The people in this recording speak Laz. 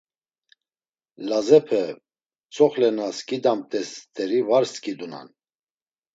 Lazepe, tzoxle na skidamt̆ez steri var skidunan!